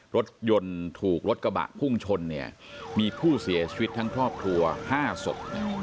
รถยนต์ถูกรถกระบะพุ่งชนเนี่ยมีผู้เสียชีวิตทั้งครอบครัว๕ศพ